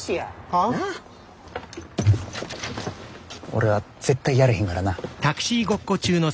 俺は絶対やれへんからな。